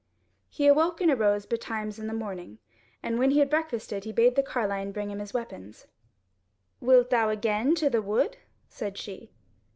He awoke and arose betimes in the morning, and when he had breakfasted he bade the carline bring him his weapons. "Wilt thou again to the wood?" said she.